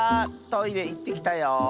トイレいってきたよ。